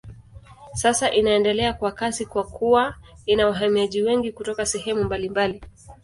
Sasa inaendelea kwa kasi kwa kuwa ina wahamiaji wengi kutoka sehemu mbalimbali.